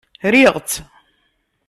Riɣ-tt.